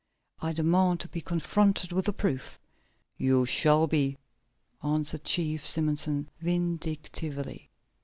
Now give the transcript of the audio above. I demand to be confronted with the proof." "You shall be," answered Chief Simonson vindictively.